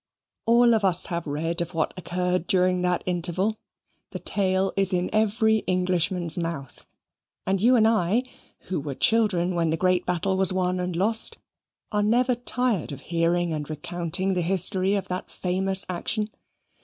All of us have read of what occurred during that interval. The tale is in every Englishman's mouth; and you and I, who were children when the great battle was won and lost, are never tired of hearing and recounting the history of that famous action.